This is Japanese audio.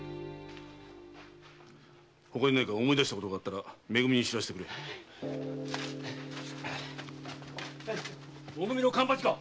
他に何か思い出したことがあればめ組に知らせてくれ。も組の勘八か？